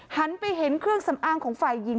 หันไปเห็นเครื่องสำอางของฝ่ายหญิง